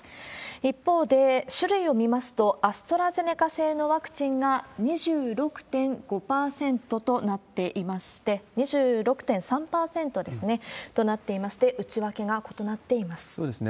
一方で、種類を見ますと、アストラゼネカ製のワクチンが２６．５％となっていまして、２６．３％ですね、となっていまして、そうですね。